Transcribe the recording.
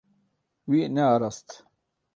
Wî nearast.